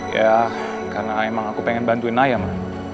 ya karena emang aku pengen bantuin naya ma